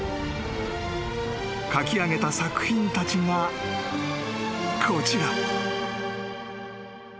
［描きあげた作品たちがこちら］